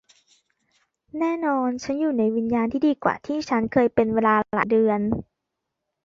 แน่นอนฉันอยู่ในวิญญาณที่ดีกว่าที่ฉันเคยเป็นเวลาหลายเดือน